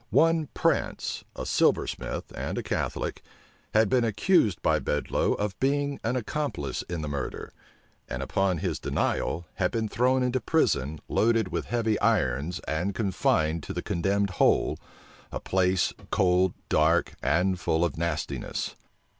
One Prance, a silversmith and a Catholic, had been accused by Bedloe of being an accomplice in the murder; and upon his denial, had been thrown into prison, loaded with heavy irons and confined to the condemned hole, a place cold, dark, and full of nastiness.